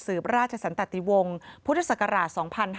สืบราชสันตะติวงพุทธศักราช๒๕๕๙